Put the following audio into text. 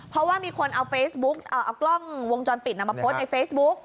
เพราะว่ามีคนเอาเฟซบุ๊กเอากล้องวงจรปิดมาโพสต์ในเฟซบุ๊ก